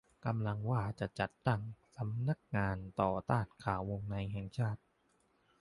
กำลังว่าจะจัดตั้ง สำนักงานต่อต้านข่าววงในแห่งชาติ